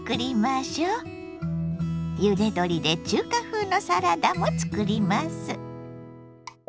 ゆで鶏で中華風のサラダもつくります。